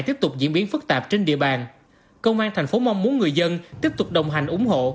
tiếp tục diễn biến phức tạp trên địa bàn công an tp hcm muốn người dân tiếp tục đồng hành ủng hộ